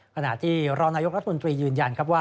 ขณะที่รองตีนายกรรภาพมนตรียืนยันกับว่า